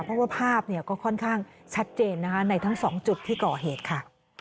เพราะว่าภาพก็ค่อนข้างชัดเจนนะคะในทั้งสองจุดที่ก่อเหตุค่ะ